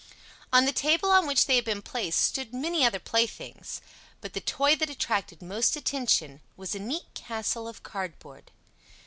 On the table on which they had been placed stood many other playthings, but the toy that attracted most attention was a neat castle of cardboard.